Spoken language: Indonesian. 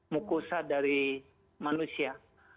mukosa dari manusia